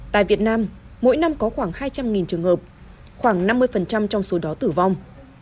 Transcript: tại việt nam mỗi năm có khoảng hai trăm linh trường hợp khoảng năm mươi trong số đó tử vong